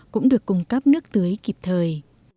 cũng được cung cấp nước tưới kịp thời